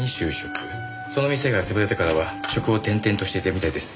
その店が潰れてからは職を転々としていたみたいです。